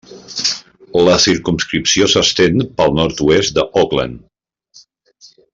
La circumscripció s'estén pel nord-oest d'Auckland.